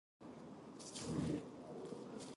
バスケットボールしませんか？